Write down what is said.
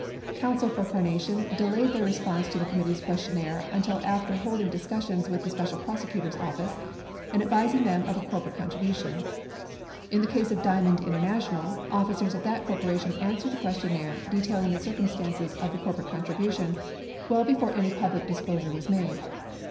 Counsel for Carnation delayed their response to the committee's questionnaire until after holding discussions with the special prosecutor's office and advising them of a corporate con tribution. In the case of Diamond International, officers of that cor poration answered the questionnaire detailing the circumstances of 99 See section on Corporate Oriented Solicitation. 35t687 0 74 35 528 the corporate contribution well before any public disclosure was made.